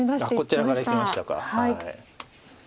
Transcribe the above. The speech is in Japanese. こちらからいきましたか。